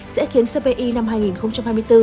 sẽ khiến cpi năm hai nghìn hai mươi bốn